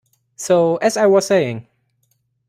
So, as I was saying.